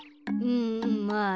うんまあ